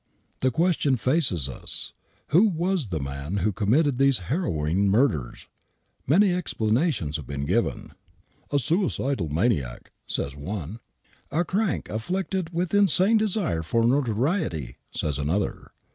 The question faces us, who was the man who committed these harrowing murders ? Many explanations have been given. " A suicidal maniac," says one. Wki iiA^i^ii^*! THE WHITECHAPEL MURDERS 53 "A crank afflicted with insane desire for notoriety," says another.